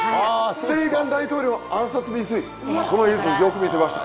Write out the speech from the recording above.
レーガン大統領暗殺未遂この映像よく見てました。